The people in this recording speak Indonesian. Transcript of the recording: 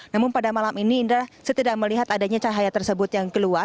namun pada malam ini indra saya tidak melihat adanya cahaya tersebut yang keluar